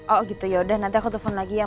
oh gitu yaudah nanti aku telepon lagi ya